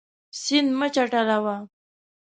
سیند مه چټلوه.